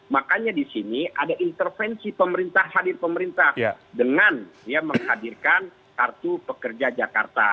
makanya di sini ada intervensi pemerintah hadir pemerintah dengan menghadirkan kartu pekerja jakarta